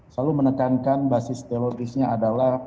selalu menekankan basis teologisnya adalah